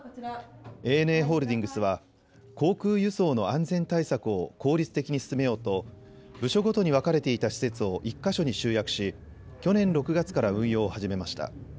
ＡＮＡホールディングスは航空輸送の安全対策を効率的に進めようと、部署ごとに分かれていた施設を１か所に集約し、去年６月から運用を始めました。